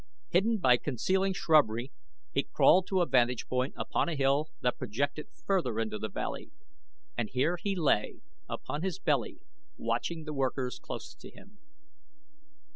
Hidden by concealing shrubbery he crawled to a vantage point upon a hill that projected further into the valley, and here he lay upon his belly watching the workers closest to him.